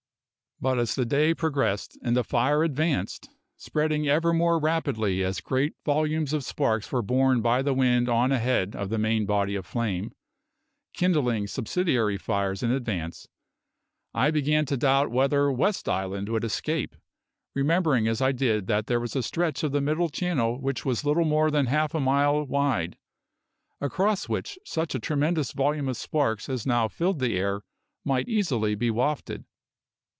But as the day progressed, and the fire advanced, spreading ever more rapidly as great volumes of sparks were borne by the wind on ahead of the main body of flame, kindling subsidiary fires in advance, I began to doubt whether West Island would escape, remembering as I did that there was a stretch of the Middle Channel which was little more than half a mile wide, across which such a tremendous volume of sparks as now filled the air might easily be wafted.